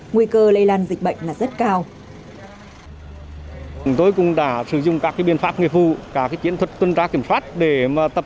nguy cơ lây lan dịch bệnh là rất cao